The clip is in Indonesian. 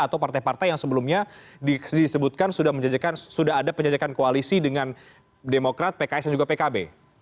atau partai partai yang sebelumnya disebutkan sudah menjajakan sudah ada penjajakan koalisi dengan demokrat pks dan juga pkb